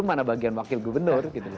gimana bagian wakil gubernur gitu